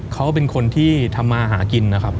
เขาเป็นคนที่ทำมาหากินนะครับ